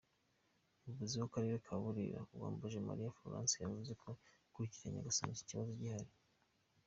Umuyobozi w’Akarere ka Burera, Uwambajemariya Florence, yavuze ko yakurikiranye agasanga iki kibazo gihari.